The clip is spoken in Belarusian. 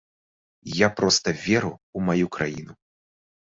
Я проста веру ў маю краіну.